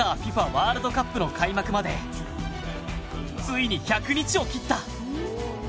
ワールドカップの開幕までついに１００日を切った。